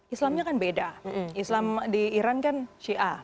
islamnya kan beda islam di iran kan syia